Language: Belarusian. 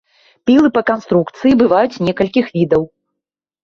Пілы па канструкцыі бываюць некалькіх відаў.